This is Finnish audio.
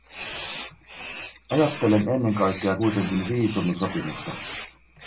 Ajattelen ennen kaikkea kuitenkin viisumisopimusta.